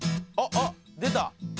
「あっ出た！」